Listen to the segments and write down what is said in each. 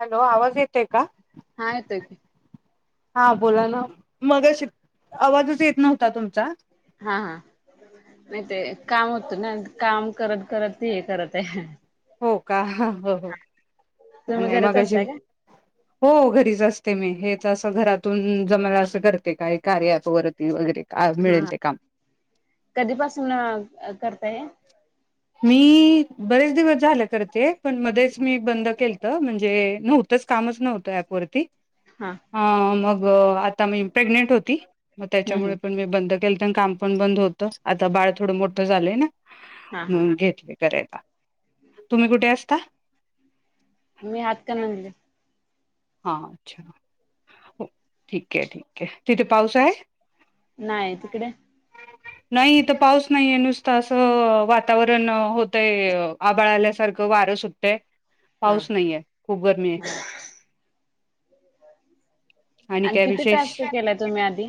Hello आवाज येत हा येताेय हा बोला ना मगाशी आवाजच येत नव्हता तुमचा हा हा नाही ते काम होत ना काम करत करत हे करत आहे. हो का हा हो तुम्ही आणि घरीच मगाशी असताय का? हो घरीच असते ते मी हेच असं घरातून जमल असं करते. काय कार्य ॲपवरती वगैरे का हा मिळेल ते काम. कधीपासून करताय हे मी बरेच दिवस झाले करते पण मध्येच मी बंद केलत म्हणजे नव्हत तसं कामच नव्हत ॲप वरती हा आ मग आता मी प्रेग्नेंट होती. मग हम्म त्याच्यामुळे हम्म पण मी बंद केलतर काम पण बंद होत आता बाळ थोडं मोठं झालंय ना हा हा हम्म घेतली करायला तुम्ही कुठे असता मी हातकणंगले हा अच्छा ठीक आहे ठीक आहे तिथे पाऊस आहे नाही तिकडे नाही इथं पाऊस नाहीे नुसतं असं वातावरण होतय आभाळाल्यासारखं वारं सुटतंय हा पाऊस नाहीये खूप गरमी हाय. आणि काय किती विशेष टास्क केलाय तुम्ही आधी?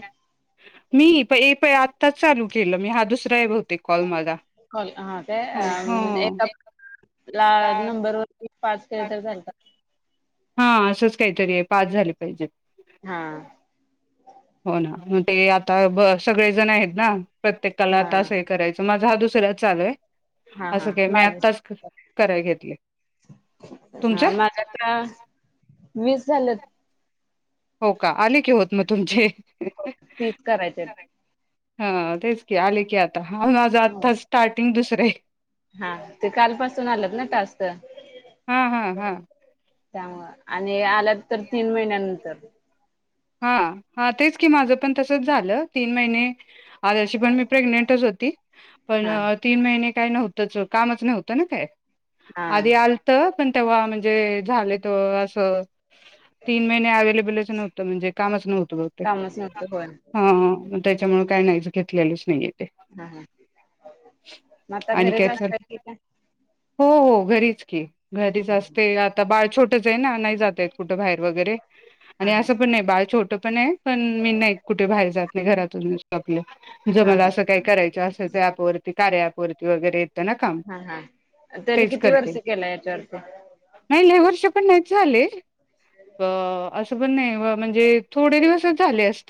मी पै प आत्ताच चालू केलं मी हा दुसरा हाय बहुतेक कॉल माझा. कॉल हा ते ह ह एकाला नंबरवरती पाच केलं तरी चालतात. हा असंच काहीतरी आहे पाच झाले पाहिजेत. हा [inaudible] हो ना ते आता ब सगळे जण आहेत ना प्रत्येकाला हा टास हे करायचं मा हा दुसरा चालू आहे. हा हा असं काय मी माझ आताच क कराय घेतले तुमच? माझ्या आता वीस झालेत हो का आले की होत म तुमचे हो तीस करायचेत. हा तेच की आले की आ हा माझ हो आता स्टार्टिंग दुस [unintelligible] हा ते कालपसून आलंत ना टास्क? स हा हा हा त्यामुळं आणि आलं तर तीन महिन्यानंतर हा हा तेच की माझं पण तसच झालं तीन महिने आज अशी पण मी प्रेग्नेंटच होती, पण हा तीन महिने काही नव्हतंच, कामच नव्हतं ना काय हा आधी आलत पण तेव्हा म्हणजे झाले. तो असं तीन महिने अवेलेबलच नव्हत त म्हणजे कामच नव्हं कामच नव्हतं होय [unintelligible] हा हा त्याच्यामुळे काय नाहीच घेतलेलेच नाहीये. ते हा हा म आता आणि घरीच काय तर असताय की काय? हो हो घरीच की घरीच असते आता बाळ छो त्याच्या हयने आणाय जातेत कुठे बाहेर वगैरे. हा आणि हा असं बाळ छोटं ने पण मी नाही कुठे बाहेर जात नाही घरातूनच आपलं हा जमेल असं काही करायच असायल ॲप वरती कार्यावरती वगैरे येत ना काम हा हा हा तरी तेच किती वर्ष करते केला याच्यावरती नाही लई वर्ष पण नाही झालेत अ. असं पण नाही वो म्हणजे थोडे दिवसचं झाले अस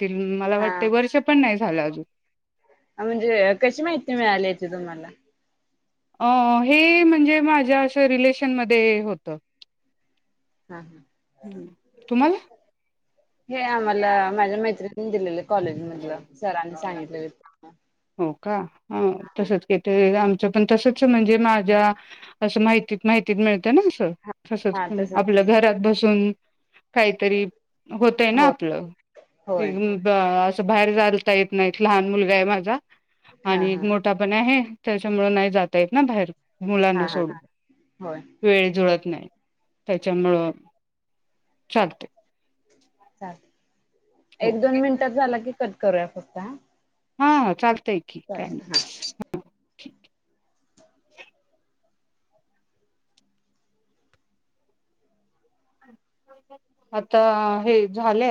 हा म्हणजे कशी माहिती मिळाली याची तुम्हाला? अ हे म्हणजे माझ्या अं रिलेशनमध्ये होत. हा हा हम तुम्हाला. हे आम्हाला माझ्या मैत्रित न दिलेले कॉलेज मधलं सरांनी सांगितलेले हो का ह [unintelligible] तसच [unintelligible] पण तसच म्हणजे माझ्या, अस माहिती माहिती मिळतं‌. त्यांना कसं हा हा तसंच तसच आपल्या की घरात बसून. काहीतरी होतय ना. होय होय मुदा हा असं बाहेर जालता येत नाही. लहान मुलगा आहे माझा. हा आणि एक हा मोठा पण आहे त्याच्यामुळे नाही जाता येत ना बाहेर. हा मुलांना हा सोडून, होय वेळ जुळत नाही त्याच्यामुळं चालतय चालते एक दोन मिनिटात झाले की कर करूया फक्त हा.. हा ह चाल ते ठीक हाय चालेल. हा. म ठीकाय आता हे झाले